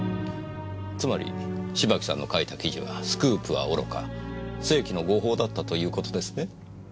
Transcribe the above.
つまり芝木さんの書いた記事はスクープはおろか世紀の誤報だったという事ですね？